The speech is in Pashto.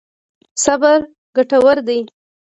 صبر ګټور دی.